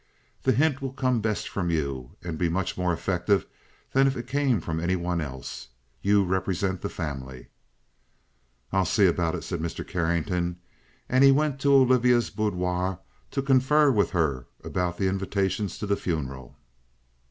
The hint will come best from you, and be much more effective than if it came from any one else. You represent the family." "I'll see about it," said Mr. Carrington, and he went to Olivia's boudoir to confer with her about the invitations to the funeral.